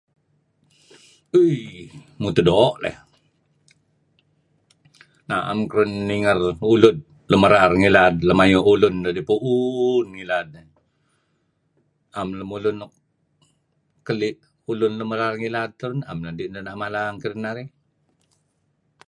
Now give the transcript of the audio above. "Uui mutuh doo' leh naem keduih ninger ulud lun merar ngilad lem ayu' ulun deh puun ngilad. ""Am lemulun nuk keli ulun tauh ngilad kadi' am ideh mala ngen kadinarih."